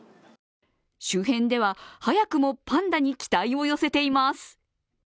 周辺では早くもパンダに期待を寄せています。